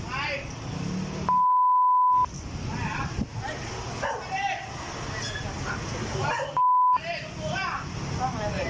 โอ๊ยฉันทราบตุ๊กลูกก้าว